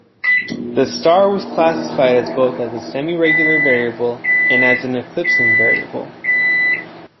The star was classified as both a semiregular variable and an eclipsing variable.